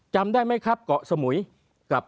จำได้ไหมครับเกาะสมุยกับ